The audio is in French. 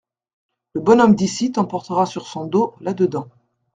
Le bonhomme d'ici t'emportera sur son dos là-dedans.